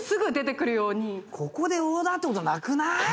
ここでオーダーってことはなくない？